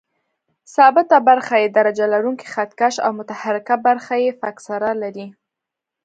ثابته برخه یې درجه لرونکی خط کش او متحرکه برخه یې فکسره لري.